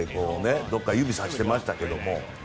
どこか指さしてましたけれども。